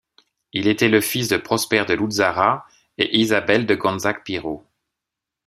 Il était le fils de Prosper de Luzzara et Isabelle de Gonzague-Pirro.